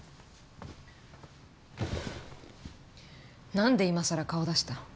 なんで今さら顔出した？